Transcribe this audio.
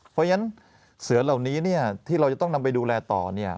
เพราะฉะนั้นเสือเหล่านี้ที่เราจะต้องนำไปดูแลต่อ